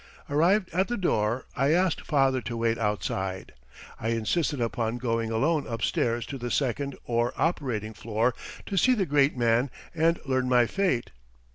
Arrived at the door I asked father to wait outside. I insisted upon going alone upstairs to the second or operating floor to see the great man and learn my fate.